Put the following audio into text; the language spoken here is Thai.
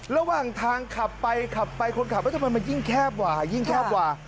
ระหว่างทางขับไปคนขับไปมันยิ่งแคบว่ายิ่งแคบว่า